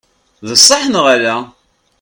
D sseḥ neɣ ala?